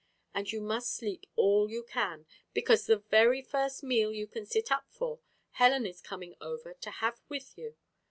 And you must sleep all you can, because the very first meal you can sit up for, Helen is coming over to have with you.